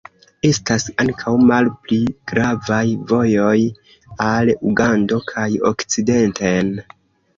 Estas ankaŭ malpli gravaj vojoj al Ugando kaj okcidenten.